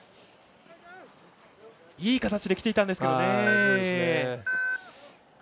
いい形できていたんですけどね。